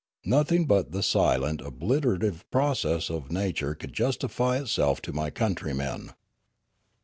Nothing but the silent obliterative process of nature could justify itself to my countrymen.